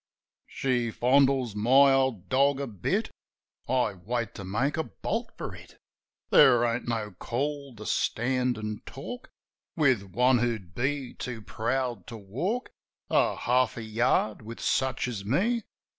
She fondles my old dog a bit; I wait to make a bolt for it. (There ain't no call to stand an' talk With one who'd be too proud to walk' A half a yard with such as me.)